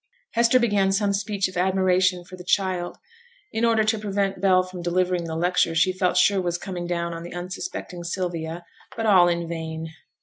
Hester began some speech of admiration for the child in order to prevent Bell from delivering the lecture she felt sure was coming down on the unsuspecting Sylvia; but all in vain.